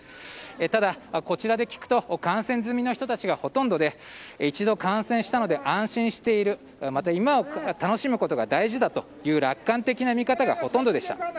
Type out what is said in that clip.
ただ、こちらで聞くと感染済みの人たちがほとんどで一度感染したので安心しているまた、今を楽しむことが大事だという楽観的な見方がほとんどでした。